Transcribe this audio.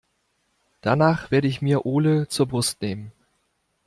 Danach werde ich mir Ole zur Brust nehmen.